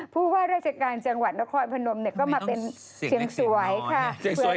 ผู้ว่าราชการจังหวัดนครพนมก็มาเป็นเชียงสวยค่ะ